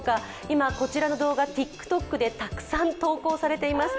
今、こちらの動画ＴｉｋＴｏｋでたくさん投稿されています。